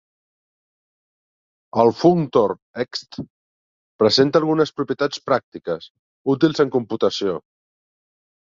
El functor Ext presenta algunes propietats pràctiques, útils en computació.